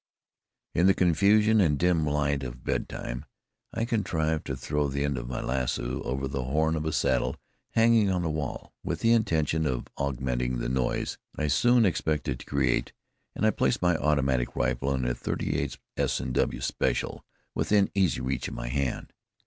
In the confusion and dim light of bedtime I contrived to throw the end of my lasso over the horn of a saddle hanging on the wall, with the intention of augmenting the noise I soon expected to create; and I placed my automatic rifle and .38 S. and W. Special within easy reach of my hand.